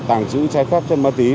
tàng trữ trái phép trên má tí